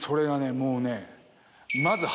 もうね。